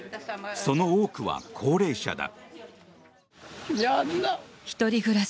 その多くは高齢者だ。